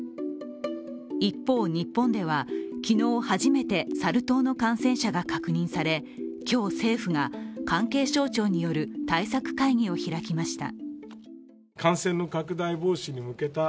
一方、日本では昨日初めてサル痘の感染者が確認され今日、政府が関係省庁による対策会議を開きました。